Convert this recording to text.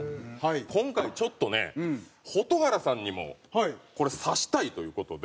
今回ちょっとね蛍原さんにもこれ刺したいという事で。